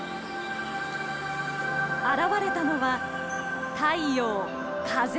現れたのは、太陽、風。